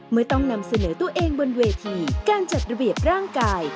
ต้องนำเสนอตัวเองบนเวทีการจัดระเบียบร่างกาย